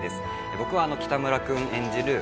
僕は北村君演じる